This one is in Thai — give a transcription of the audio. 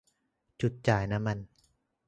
จุดจ่ายน้ำมัน